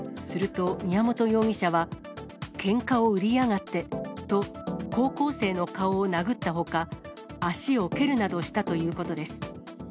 すると、宮本容疑者は、けんかを売りやがってと、高校生の顔を殴ったほか、足を蹴るなどしたということです。